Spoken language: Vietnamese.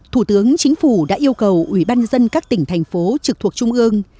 thủ tướng chính phủ đã yêu cầu ubnd các tỉnh thành phố trực thuộc trung ương